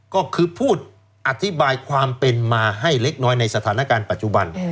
ก็คือพูดอธิบายความเป็นมาให้เล็กน้อยในสถานการณ์ปัจจุบัน